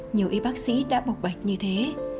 nhiều y bác sĩ đã bộc bạch như thế